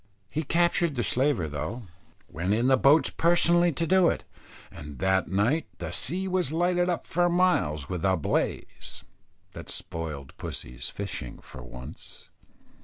He captured that slaver though went in the boats personally to do it, and that night the sea was lighted up for miles with a blaze, that spoiled pussy's fishing for once.